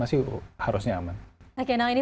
masih harusnya aman oke nah ini